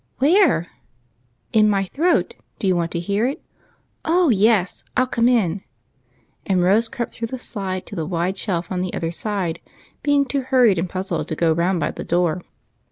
"Where?" ''In my throat. Do yon want to hear it?" *' Oh, yes ! I '11 come in." And Rose crept through the slide to the wide shelf on the other side, being too hurried and puzzled to go round by the door.